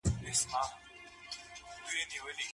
آیا د کلي خلک به زما له دې نوي عادت نه خبر شي؟